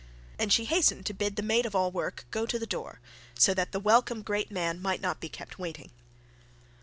And she hastened to bid the maid of all work to go to the door, so that the welcome great man might not be kept waiting.